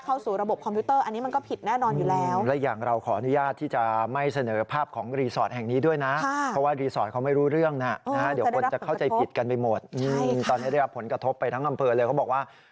เข้าสู่ระบบคอมพิวเตอร์อันนี้มันก็ผิดแน่นอนอยู่แล้ว